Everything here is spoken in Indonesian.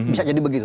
bisa jadi begitu